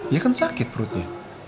ya kan sakit perutnya